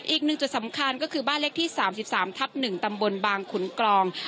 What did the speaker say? อีกหนึ่งจุดสำคัญก็คือบ้านเล็กที่สามสิบสามทับหนึ่งตำบลบางขุนกรอง